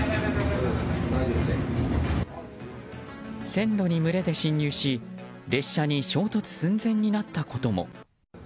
線路に群れで侵入し列車に衝突寸前になったことも。